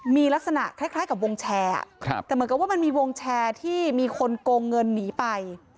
มีลักษณะคล้ายกับวงแชร์แต่เหมือนกับว่ามันมีวงแชร์ที่มีคนโกงเงินหนีไป